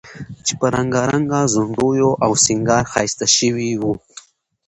چې په رنګارنګ ځونډیو او سینګار ښایسته شوی و،